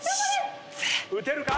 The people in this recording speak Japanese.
打てるか？